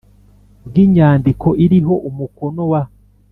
bw inyandiko iriho umukono wa